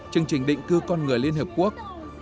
chương trình định cư con người liên hợp quốc